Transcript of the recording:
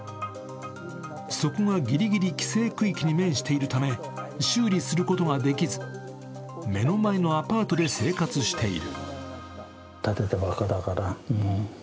そこがギリギリ規制区域に面しているため修理することができず目の前のアパートで生活している。